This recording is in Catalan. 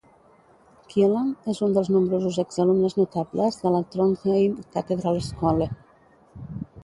Kielland és un dels nombrosos exalumnes notables de la Trondheim Katedralskole.